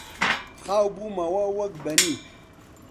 خاو بوومەوە وەک بەنی